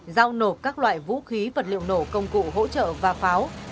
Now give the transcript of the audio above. giao nộp các loại vũ khí vật liệu nổ công cụ hỗ trợ và pháo